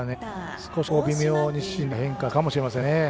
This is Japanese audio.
少し、微妙に心理が変化するかもしれませんね。